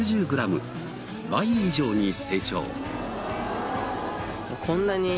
倍以上に成長。